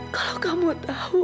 kalau kamu tahu